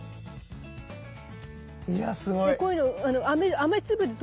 いやすごい！